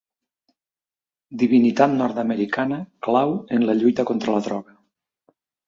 Divinitat nord-americana clau en la lluita contra la droga.